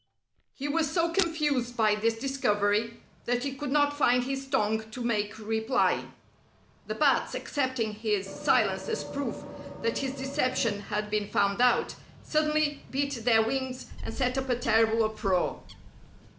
He was so confused by this discovery that he could not find his tongue to make reply. The Bats, accepting his silence as proof that his deception had been found out, suddenly beat their wings and set up a terrible uproar.